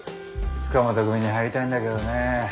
塚本組に入りたいんだけどねえ。